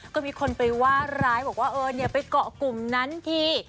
ก็มีคนไปว่าร้ายบอกว่าเออเนี่ยไปเกาะกลุ่มนั้นที